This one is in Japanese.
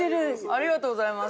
ありがとうございます。